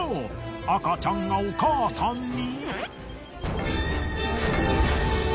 赤ちゃんがお母さんに。